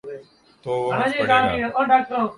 تو وہ ہنس پڑے گا۔